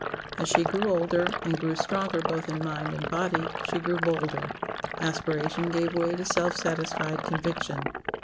As she grew older, and grew stronger both in mind and body, she grew bolder; aspiration gave way to self satisfied conviction.